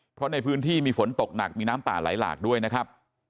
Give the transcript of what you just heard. เพราะในพื้นที่มีฝนตกหนักมีน้ำป่าไหลหลากด้วยนะครับ